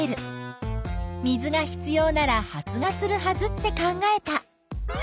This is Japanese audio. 水が必要なら発芽するはずって考えた。